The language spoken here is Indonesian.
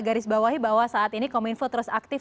garisbawahi bahwa saat ini kominfo terus aktif